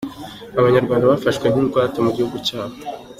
-Abanyarwanda bafashwe nk’ingwate mu gihugu cyabo